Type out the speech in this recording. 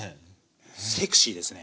セクシーですね。